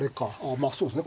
まあそうですね。